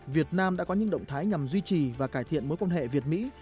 việt nam đã có những động thái nhằm duy trì và cải thiện mối quan hệ việt mỹ